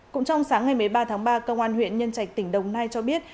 cũng trong sáng ngày một mươi ba tháng ba công an huyện nhân trạch tỉnh đồng nai cho biết